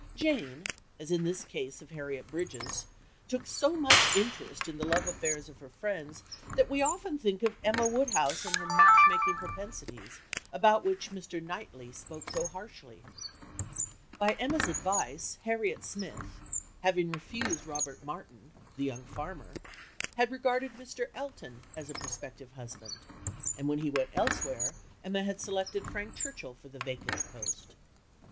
Jane, as in this case of Harriet Bridges, took so much interest in the love affairs of her friends that we often think of Emma Woodhouse and her match making propensities, about which Mr. Knightley spoke so harshly. By Emma's advice Harriet Smith, having refused Robert Martin, the young farmer, had regarded Mr. Elton as a prospective husband, and when he went elsewhere Emma had selected Frank Churchill for the vacant post.